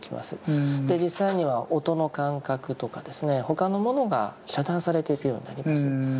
で実際には音の感覚とか他のものが遮断されていくようになります。